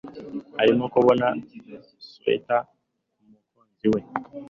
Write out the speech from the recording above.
Arimo kuboha swater kumukunzi we